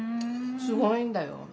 すごいんだよ。